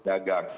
ini betul ini ba